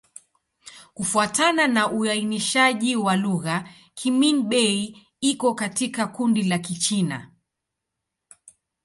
Kufuatana na uainishaji wa lugha, Kimin-Bei iko katika kundi la Kichina.